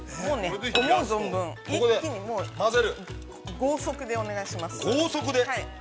◆豪速でお願いします。